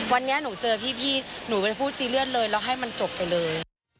วันนี้หนูเจอพี่หนูไปพูดซีเรียสเลยแล้วให้มันจบไปเลย